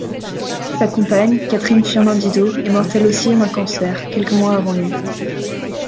Sa compagne, Catherine Firmin-Didot, est morte elle aussi d’un cancer quelques mois avant lui.